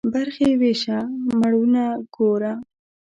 برخي ويشه ، مړونه گوره.